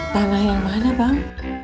tanah yang mana bang